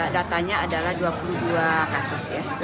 datanya adalah dua puluh dua kasus ya